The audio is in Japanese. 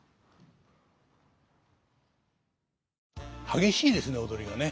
激しいですね踊りがね。